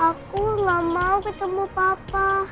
aku gak mau ketemu papa